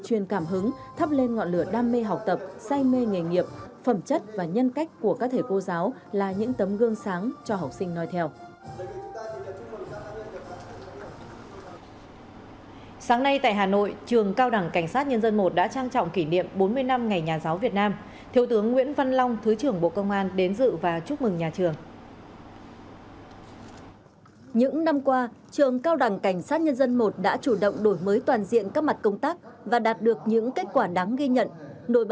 thượng tướng nguyễn văn long thứ trưởng bộ công an nhấn mạnh tại lễ kỷ niệm bốn mươi năm ngày nhà giáo việt nam được học viện cảnh sát nhân dân tổ chức vào chiều nay tại hà nội